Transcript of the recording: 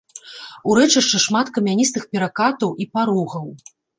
У рэчышчы шмат камяністых перакатаў і парогаў.